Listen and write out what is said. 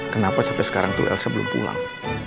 kenapa sampai sekarang tuh elsa belum pulang